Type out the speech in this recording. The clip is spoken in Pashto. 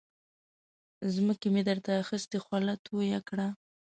ځمکه مې در ته اخستې خوله تویه کړه.